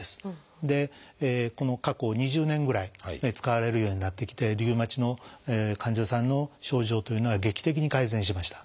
この過去２０年ぐらい使われるようになってきてリウマチの患者さんの症状というのは劇的に改善しました。